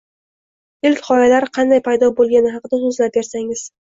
ilk gʻoyalar qanday paydo boʻlgani haqida soʻzlab bersangiz.